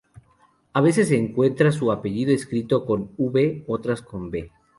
A veces se encuentra su apellido escrito con 'v' y otras con 'b'.